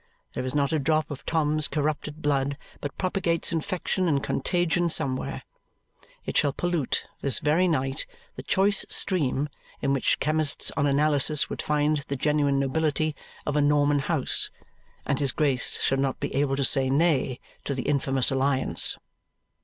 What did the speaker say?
There is not a drop of Tom's corrupted blood but propagates infection and contagion somewhere. It shall pollute, this very night, the choice stream (in which chemists on analysis would find the genuine nobility) of a Norman house, and his Grace shall not be able to say nay to the infamous alliance.